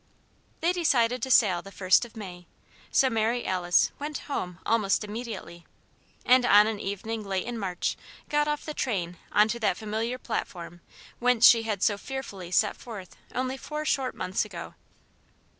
They decided to sail the first of May; so Mary Alice went home almost immediately, and on an evening late in March got off the train on to that familiar platform whence she had so fearfully set forth only four short months ago.